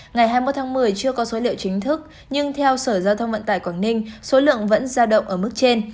ngày hai mươi một tháng một mươi chưa có số liệu chính thức nhưng theo sở giao thông vận tải quảng ninh số lượng vẫn ra động ở mức trên